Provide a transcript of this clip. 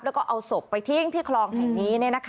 แล้วก็เอาศพไปทิ้งที่คลองแห่งนี้